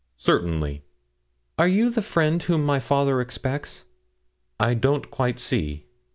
'Certainly' 'Are you the friend whom my father expects?' 'I don't quite see.'